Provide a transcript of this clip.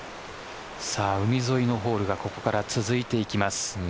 海沿いのホールがここから続いていきます。